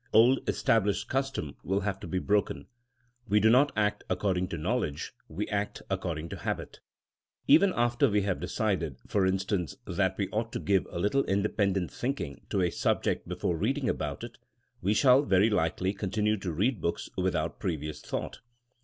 Old established custom will have to be broken. We do not act according to knowledge ; we act according to habit. Even after we have decided, for instance, that we ought to give a little independent thinking to a subject before reading abou^ it, we shall very likely continue to read books without previous thought.